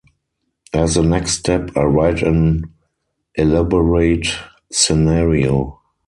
As the next step, I write an elaborate scenario.